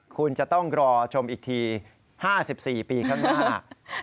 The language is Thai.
คุณจะต้องรอชมอีกที๕๔ปีข้างหน้า